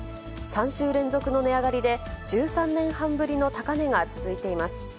３週連続の値上がりで、１３年半ぶりの高値が続いています。